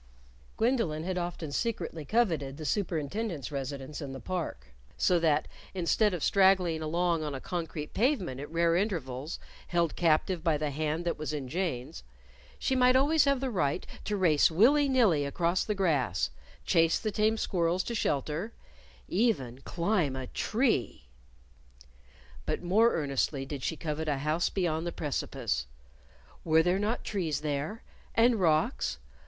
Gwendolyn had often secretly coveted the Superintendent's residence in the Park (so that, instead of straggling along a concrete pavement at rare intervals, held captive by the hand that was in Jane's, she might always have the right to race willy nilly across the grass chase the tame squirrels to shelter even climb a tree). But more earnestly did she covet a house beyond the precipice. Were there not trees there? and rocks?